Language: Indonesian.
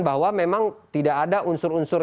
bahwa memang tidak ada unsur unsur